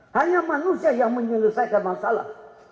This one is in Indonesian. hanya manusia yang menyelesaikan masalah